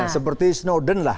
seperti snowden lah